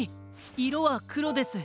いろはくろです。